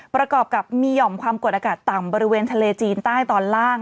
ประกอบกับมีหย่อมความกดอากาศต่ำบริเวณทะเลจีนใต้ตอนล่าง